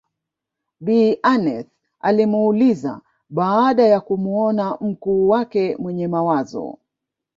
Bi Aneth alimuuliza baada ya kumuona mkuu wake mwenye mawazo